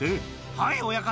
「はい親方